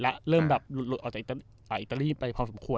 ไปอิตาลี